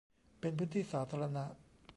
เป็นพื้นที่สาธารณะ